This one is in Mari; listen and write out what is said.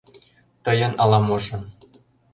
Тыйын ала-можо...